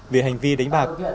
về hành vi đánh bạc